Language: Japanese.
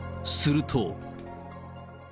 すると。